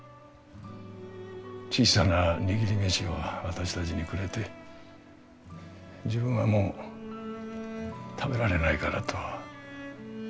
小さな握り飯を私たちにくれて自分はもう食べられないからと。